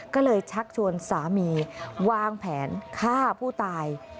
ก็เลยชักชวนสามีวางแผนฆ่าผู้ตาย